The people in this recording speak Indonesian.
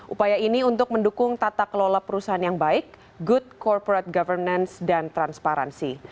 upaya ini untuk mendukung tata kelola perusahaan yang baik good corporate governance dan transparansi